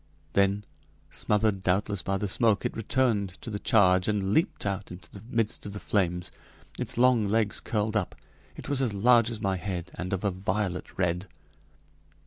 Then, smothered doubtless by the smoke, it returned to the charge and leaped out into the midst of the flames. Its long legs curled up. It was as large as my head, and of a violet red.